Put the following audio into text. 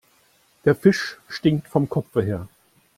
Der Fisch stinkt vom Kopfe her.